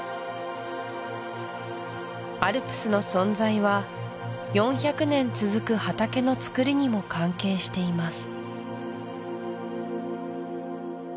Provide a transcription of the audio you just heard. アルプスの存在は４００年続く畑のつくりにも関係しています